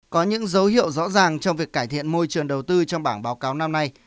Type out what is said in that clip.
có những dấu hiệu rõ ràng trong việc cải thiện môi trường đầu tư trong bảng báo cáo năm nay